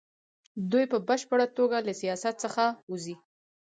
دوی په بشپړه توګه له سیاست څخه وځي.